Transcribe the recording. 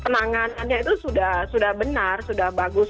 penanganannya itu sudah benar sudah bagus